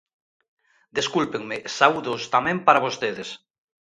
Descúlpenme, saúdos tamén para vostedes.